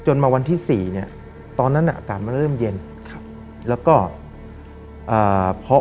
มาวันที่สี่เนี้ยตอนนั้นอ่ะอากาศมันเริ่มเย็นครับแล้วก็อ่าพอ